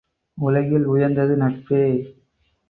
உலகில் உயர்ந்தது நட்பே!